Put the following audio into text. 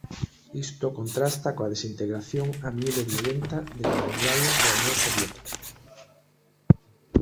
Isto contrasta coa desintegración a miúdo violenta de Iugoslavia e a Unión Soviética.